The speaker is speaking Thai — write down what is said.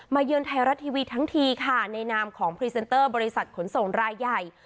เยือนไทยรัฐทีวีทั้งทีค่ะในนามของพรีเซนเตอร์บริษัทขนส่งรายใหญ่